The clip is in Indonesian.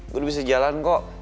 gue bisa jalan kok